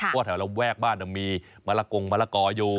ว่าแถวระแวกบ้านมีมะละกงมะละกออยู่